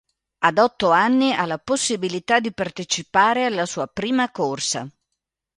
Ad otto anni ha la possibilità di partecipare alla sua prima corsa.